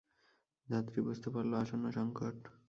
ধাত্রী বুঝতে পারলো আসন্ন সংকট।